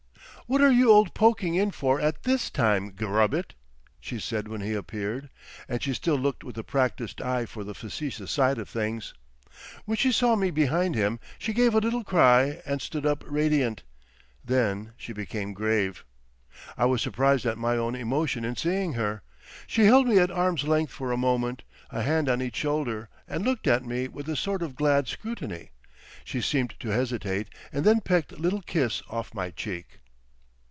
"What are you old Poking in for at this time—Gubbitt?" she said when he appeared, and she still looked with a practised eye for the facetious side of things. When she saw me behind him, she gave a little cry and stood up radiant. Then she became grave. I was surprised at my own emotion in seeing her. She held me at arm's length for a moment, a hand on each shoulder, and looked at me with a sort of glad scrutiny. She seemed to hesitate, and then pecked little kiss off my cheek.